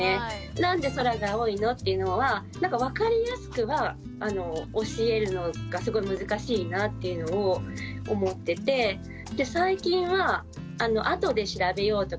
「なんで空が青いの？」っていうのは分かりやすくは教えるのがすごい難しいなっていうのを思っててうん。